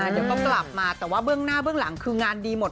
เดี๋ยวก็กลับมาแต่ว่าเบื้องหน้าเบื้องหลังคืองานดีหมด